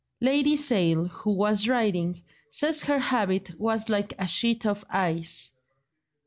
Lady Sale, who was riding, says her habit was like a sheet of ice.